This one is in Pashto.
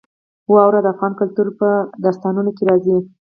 واوره د افغان کلتور په داستانونو کې راځي.